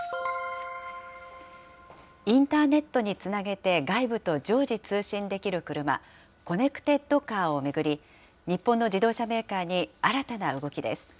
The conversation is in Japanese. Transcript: インターネットにつなげて外部と常時通信できる車、コネクテッドカーを巡り、日本の自動車メーカーに新たな動きです。